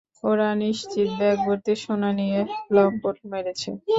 ওরা নিশ্চিত ব্যাগ ভর্তি সোনা নিয়ে চম্পট মেরেছে।